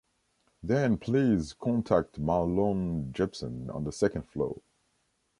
Then please contact Marlon Jepsen on the second floor.